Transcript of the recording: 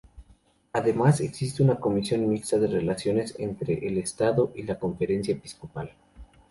Además existe una comisión mixta de relaciones entre el Estado y la Conferencia episcopal.